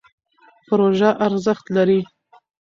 پروژه ارزښت لري.